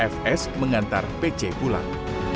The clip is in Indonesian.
fs mengantar pc pulang